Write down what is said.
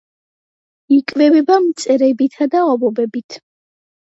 იკვებება მწერებითა და ობობებით.